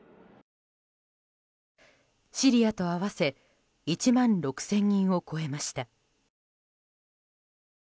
シリアと合わせ１万６０００人を超えました。